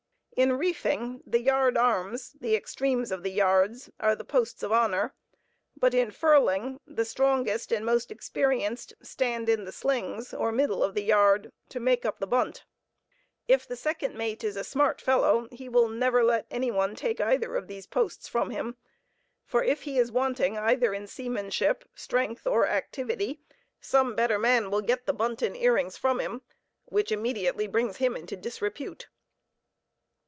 In reefing, the yard arms (the extremes of the yards), are the posts of honor; but in furling, the strongest and most experienced stand in the slings (or, middle of the yard), to make up the bunt. If the second mate is a smart fellow, he will never let any one take either of these posts from him; for if he is wanting either in seamanship, strength, or activity, some better man will get the bunt and earings from him; which immediately brings him into disrepute.